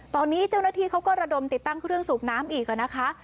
ตอนนี้เจ้าหน้าที่เขาก็ระดมติดตั้งเครื่องสูบน้ำอีกนะคะ